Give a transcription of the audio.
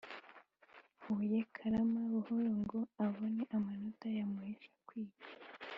Huye Karama Buhoro ngo abone amanota yamuhesha kwiga